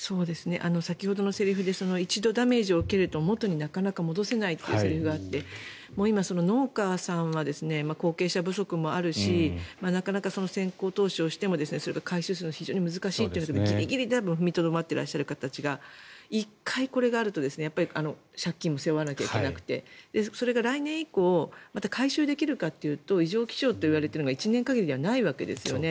先ほどのセリフで一度ダメージを受けると元になかなか戻せないというセリフがあって今、農家さんは後継者不足もあるしなかなか先行投資をしてもそれを回収するのが非常に難しいというのでギリギリで踏みとどまっている方たちが１回これがあると借金も背負わないといけなくてそれが来年以降もまた回収できるかというと異常気象といわれているのが１年限りではないわけですよね。